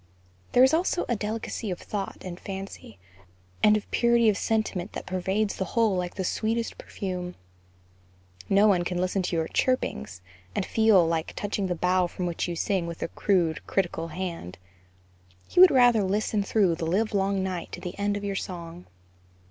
There is also a delicacy of thought and fancy, and of purity of sentiment that pervades the whole like the sweetest perfume. No one can listen to your "Chirpings" and feel like touching the bough from which you sing with a rude, critical hand; he would rather listen through the live long night to the end of your song.